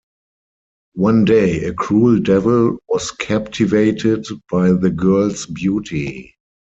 One day, a cruel devil was captivated by the girl's beauty.